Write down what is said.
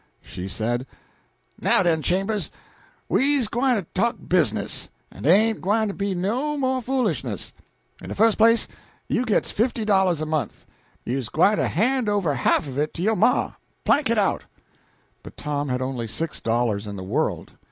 She said "Now den, Chambers, we's gwine to talk business, en dey ain't gwine to be no mo' foolishness. In de fust place, you gits fifty dollahs a month; you's gwine to han' over half of it to yo' ma. Plank it out!" But Tom had only six dollars in the world.